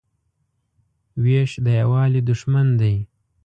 وېش د یووالي دښمن دی.